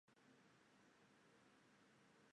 院派是平安时代后期至镰仓时代的佛师之一派。